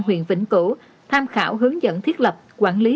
huyện vĩnh cửu tham khảo hướng dẫn thiết lập quản lý